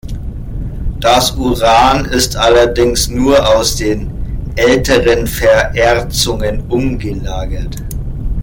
Das Uran ist allerdings nur aus den älteren Vererzungen umgelagert.